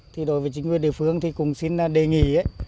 thì đối với chính quyền địa phương thì cũng xin đề nghị